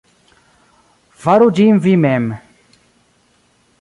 Faru ĝin vi mem'.